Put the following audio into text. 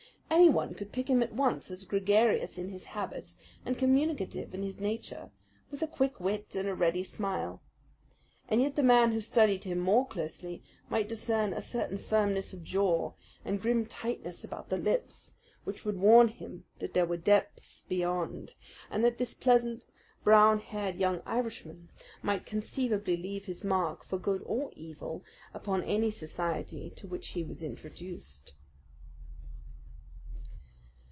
Anyone could pick him at once as gregarious in his habits and communicative in his nature, with a quick wit and a ready smile. And yet the man who studied him more closely might discern a certain firmness of jaw and grim tightness about the lips which would warn him that there were depths beyond, and that this pleasant, brown haired young Irishman might conceivably leave his mark for good or evil upon any society to which he was introduced.